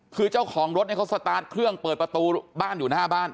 คือเจ้าของรถเนี่ยเขาสตาร์ทเครื่องเปิดประตูบ้านอยู่หน้าบ้าน